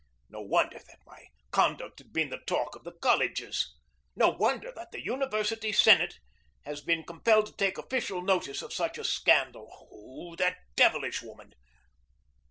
No wonder that my conduct has been the talk of the colleges. No wonder that the University Senate has been compelled to take official notice of such a scandal. Oh, that devilish woman!